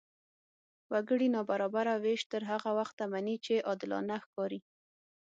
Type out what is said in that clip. وګړي نابرابره وېش تر هغه وخته مني، چې عادلانه ښکاري.